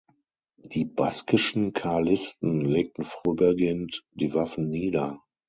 Die baskischen Karlisten legten vorübergehend die Waffen nieder.